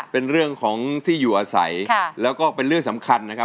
เป็นเรื่องของที่อยู่อาศัยแล้วก็เป็นเรื่องสำคัญนะครับ